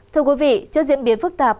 thưa quý vị cho diễn biến phức tạp